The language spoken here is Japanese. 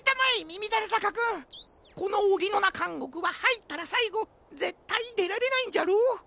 このオリノナかんごくははいったらさいごぜったいでられないんじゃろう？